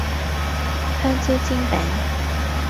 香蕉煎餅